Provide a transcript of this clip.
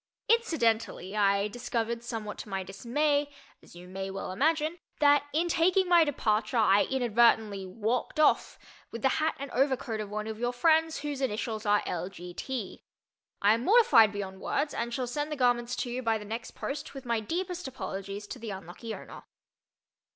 Incidentally, I discovered, somewhat to my dismay, as you may well imagine, that in taking my departure I inadvertently "walked off" with the hat and overcoat of one of your friends whose initials are L. G. T. I am mortified beyond words and shall send the garments to you by the next post with my deepest apologies to the unlucky owner.